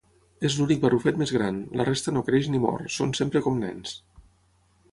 És l'únic barrufet més gran, la resta no creix ni mor, són sempre com nens.